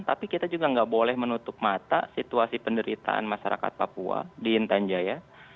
tapi kita juga nggak boleh menutup mata situasi penderitaan masyarakat papua di intan jaya